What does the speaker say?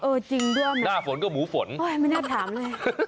จริงด้วยหน้าฝนก็หมูฝนโอ้ยไม่น่าถามเลย